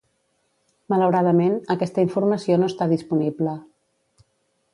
Malauradament, aquesta informació no està disponible.